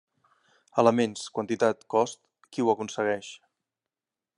Elements, quantitat, cost, qui ho aconsegueix.